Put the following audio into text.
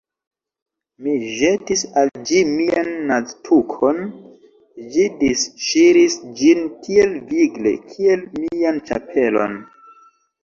Mi ĵetis al ĝi mian naztukon: ĝi disŝiris ĝin tiel vigle, kiel mian ĉapelon.